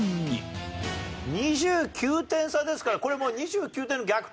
２９点差ですからこれもう２９点の逆転